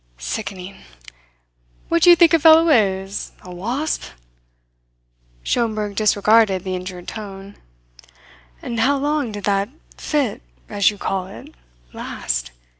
Sickening! What do you think a fellow is a wasp?" Schomberg disregarded the injured tone. "And how long did that fit, as you call it, last?"